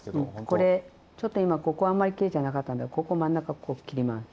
これちょっと今ここあんまりきれいじゃなかったんでここ真ん中こう切ります。